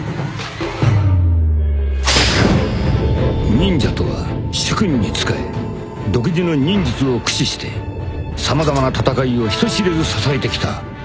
［忍者とは主君に仕え独自の忍術を駆使して様々な戦いを人知れず支えてきた影の軍団である］